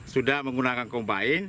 sudah menggunakan kompain